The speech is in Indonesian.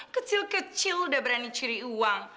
kecil kecil udah berani ciri uang